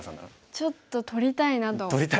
ちょっと取りたいなと思いますね。